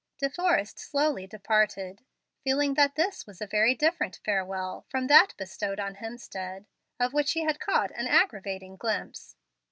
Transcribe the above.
De Forrest slowly departed, feeling that this was a very different farewell from that bestowed on Hemstead, of which he had caught an aggravating glimpse.